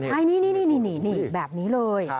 ใช่แบบนี้เลย